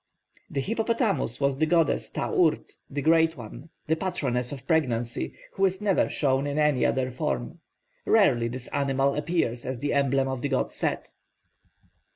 The hippopotamus was the goddess Ta urt, 'the great one,' the patroness of pregnancy, who is never shown in any other form. Rarely this animal appears as the emblem of the god Set.